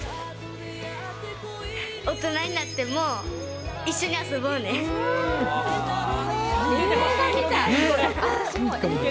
大人になっても一緒に遊ぼう映画みたい。